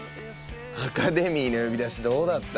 アカデミーの呼び出しどうだった？